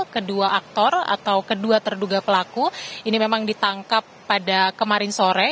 kedua aktor atau kedua terduga pelaku ini memang ditangkap pada kemarin sore